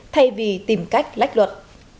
thay vì tìm cách lách luật